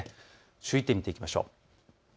注意点を見ていきましょう。